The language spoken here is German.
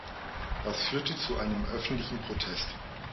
Das führte zu einem öffentlichen Protest.